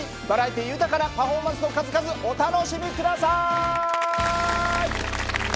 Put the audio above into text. バラエティー豊かなパフォーマンスの数々お楽しみ下さい！